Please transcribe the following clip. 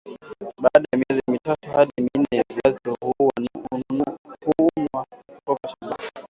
Baada ya miezi mitatu hadi minne viazi hhunwa toka shambani